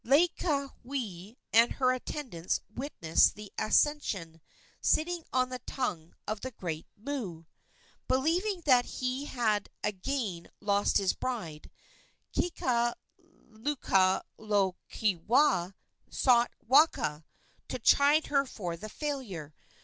Laieikawai and her attendants witnessed the ascension, sitting on the tongue of the great moo. Believing that he had again lost his bride, Kekalukaluokewa sought Waka, to chide her for the failure.